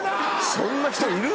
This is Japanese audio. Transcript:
そんな人いる？